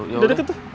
ya udah tuh